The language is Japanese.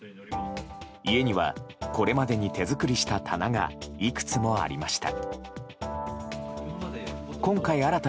家にはこれまでに手作りした棚がいくつもありました。